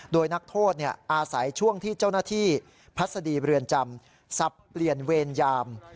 โดยนักโทษอาศัยช่วงที่เจ้าหน้าที่พัศดีเรือนจำสับเปลี่ยนเวรยาม